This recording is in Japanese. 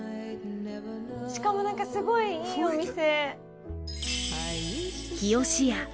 しかもなんかすごいいいお店！